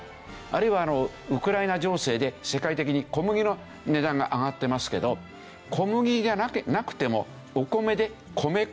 あるいはウクライナ情勢で世界的に小麦の値段が上がってますけど小麦じゃなくてもお米で米粉って作れるわけでしょ？